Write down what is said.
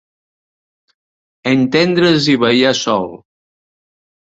Entendre's i ballar sol.